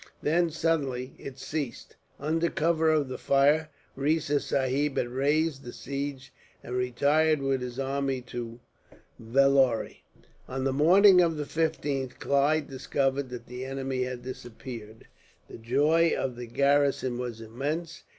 Then suddenly, it ceased. Under cover of the fire, Riza Sahib had raised the siege, and retired with his army to Vellore. On the morning of the 15th, Clive discovered that the enemy had disappeared. The joy of the garrison was immense.